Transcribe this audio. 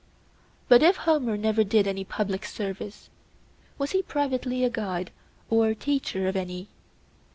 But, if Homer never did any public service, was he privately a guide or teacher of any?